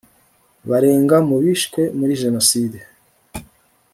barenga mu bishwe muri jenoside